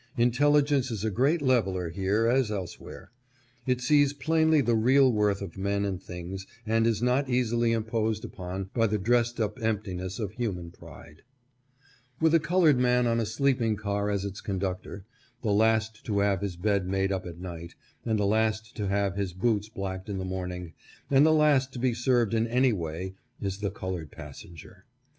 Intelligence is a great leveler here as elsewhere. It sees plainly the real worth of men and things, and is 502 PRESIDENT GRANT JUST AND IMPARTIAL. not easily imposed upon by the dressed up emptiness of human pride. With a colored man on a sleeping car as its conductor, the last to have his bed made up at night, and the last to have his boots blacked in the morning, and the last to be served in any way, is the colored passenger.